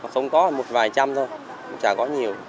không có là một vài trăm thôi chả có nhiều